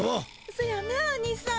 そやなアニさん。